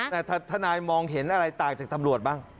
แต่ทนายมองเห็นอะไรต่างจากตำรวจบ้าง